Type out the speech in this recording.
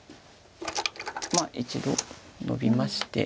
まあ一度ノビまして。